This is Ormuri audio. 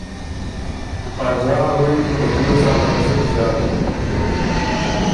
خاجان ال غوېکِن که ”دیو څانه خه زُت ݫاتِن۔